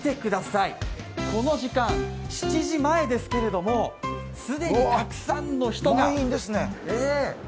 この時間、７時前ですけど既にたくさんの人が。